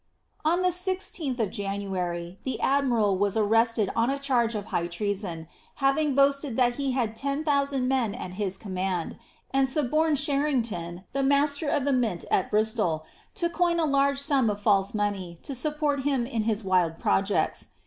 "* On the 16th of January, the admiral was arrested on a charge of aifh treason, having boasted that he had ten thousand men at his com oand, and suborned Sharrington, the master of the mint at Bristol, to ''•:n a large sum of fiilse money to support him in h'w wild projects.